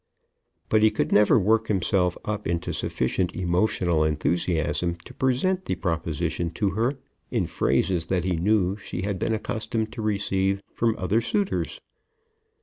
But he could never work himself up into sufficient emotional enthusiasm to present the proposition to her in phrases that he knew she had been accustomed to receive from other suitors.